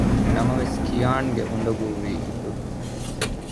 ނަމަވެސް ކިޔާންގެ އުނދަގޫ ވީ އިތުރު